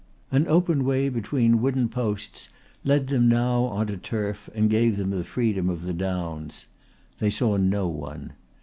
An open way between wooden posts led them now on to turf and gave them the freedom of the downs. They saw no one.